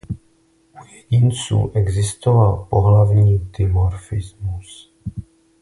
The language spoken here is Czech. U jedinců existoval pohlavní dimorfismus.